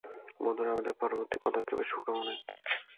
বন্ধুরা, আমাদের পরবর্তী পদক্ষেপের শুভকামনায়।